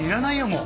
もう。